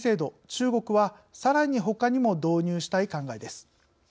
中国は、さらにほかにも導入したい考えです。